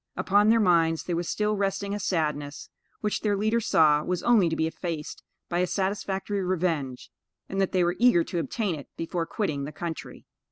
Upon their minds there was still resting a sadness, which, their leader saw, was only to be effaced by a satisfactory revenge, and that they were eager to obtain it before quitting the country.